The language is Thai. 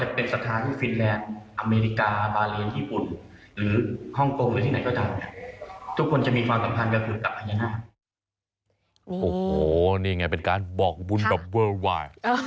โอ้โหนี่ไงเป็นการบอกบุญแบบเวอร์วาย